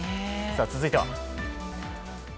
続いては。